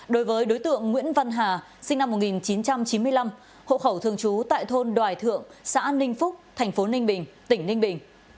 đối với đối tượng nguyễn văn hà sinh năm một nghìn chín trăm chín mươi năm hộ khẩu thường trú tại thôn đoài thượng xã ninh phúc thành phố ninh bình tỉnh ninh bình